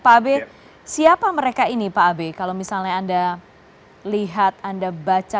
pak abe siapa mereka ini pak abe kalau misalnya anda lihat anda baca